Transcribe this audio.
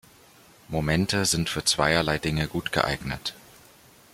Momente sind für zweierlei Dinge gut geeignet.